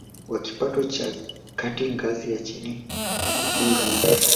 wa kipato cha kati ngazi ya chini na kujiunga na